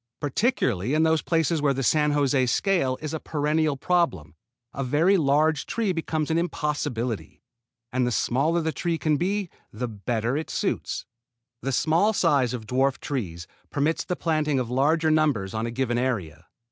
Particularly in those places where the San José scale is a perennial problem a very large tree becomes an impossibility, and the smaller the trees can be the better it suits. The small size of dwarf trees permits the planting of larger numbers on a given area.